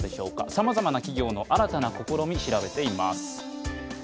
さまざまな企業の新たな試み、調べています。